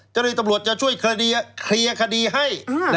เจ้าหน้าที่ตำรวจจะช่วยเคลียร์คดีให้